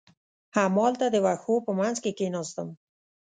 همالته د وښو په منځ کې کېناستم.